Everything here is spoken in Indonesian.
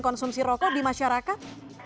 konsumsi rokok di masyarakat